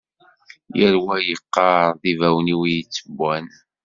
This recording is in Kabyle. Yal wa yeqqar d ibawen-iw i yettewwan.